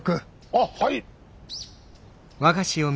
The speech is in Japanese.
あっはい！